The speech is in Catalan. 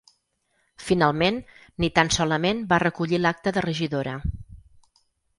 Finalment, ni tan solament va recollir l’acta de regidora.